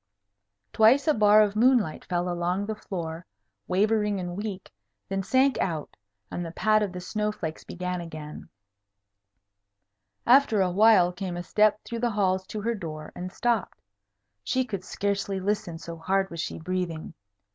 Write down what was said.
Twice a bar of moonlight fell along the floor, wavering and weak, then sank out, and the pat of the snow flakes began again. After a while came a step through the halls to her door, and stopped. She could scarcely listen, so hard she was breathing.